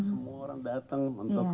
semua orang datang untuk